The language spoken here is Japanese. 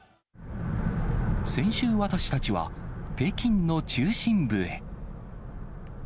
先週、私たちは北京の中心部へ。